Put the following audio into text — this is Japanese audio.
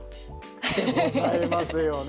でございますよね。